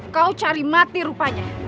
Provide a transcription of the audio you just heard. kau cari mati rupanya